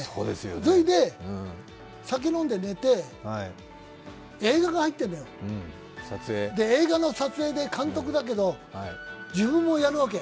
それで、酒飲んで寝て、映画が入ってるのよ、映画の撮影で、監督だけど、自分もやるわけ。